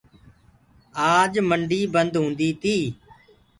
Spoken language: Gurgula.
آج منڊي بند هوندي تي۔